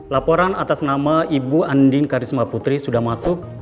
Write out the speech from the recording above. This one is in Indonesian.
laporan atas nama ibu andin karisma putri sudah masuk